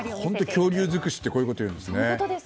恐竜尽くしってこういうことを言うんですね。